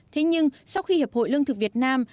thế nhưng sau khi hiệp hội lương thực việt nam